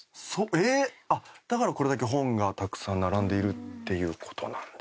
えっ？あっだからこれだけ本がたくさん並んでいるっていうことなんですね。